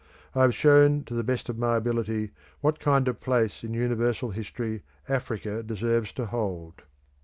I have shown to the best of my ability what kind of place in universal history Africa deserves to hold.